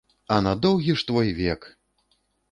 А на доўгі ж твой век!